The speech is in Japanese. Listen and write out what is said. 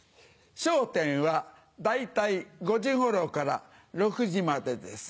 『笑点』は大体５時頃から６時までです。